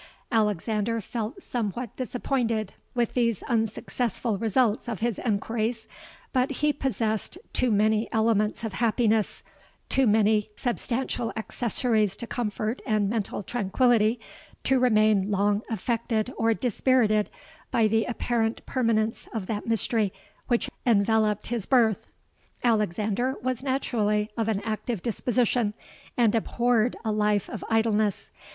Alexander felt somewhat disappointed with these unsuccessful results of his enquiries; but he possessed too many elements of happiness—too many substantial accessories to comfort and mental tranquillity—to remain long affected or dispirited by the apparent permanence of that mystery which enveloped his birth. "Alexander was naturally of an active disposition, and abhorred a life of idleness.